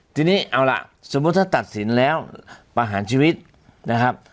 ทีนี้เอาล่ะสมมุติถ้าตัดสินแล้วประหารชีวิตนะครับ